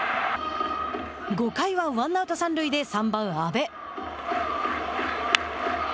５回はワンアウト、三塁で３番阿部。